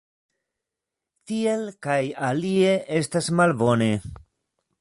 Tiel kaj alie estas malbone.